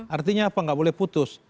artinya apa nggak boleh putus